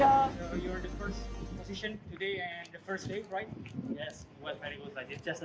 halo kamu di posisi pertama